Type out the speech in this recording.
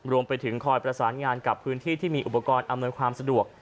รวมไปถึงคอยประสานงานกับพื้นที่ที่มีอุปกรณ์อำนวยความสะดวก